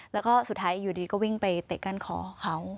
แล้วก็สุดท้ายอยู่ดีก็วิ่งไปเตะก้านคอเขา